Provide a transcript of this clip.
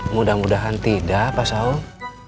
mudah mudahan tidak pak saul